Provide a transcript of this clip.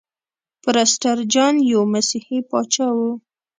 پرسټر جان یو مسیحي پاچا و.